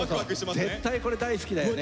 絶対これ大好きだよね。